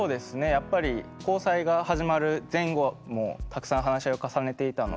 やっぱり交際が始まる前後もたくさん話し合いを重ねていたので。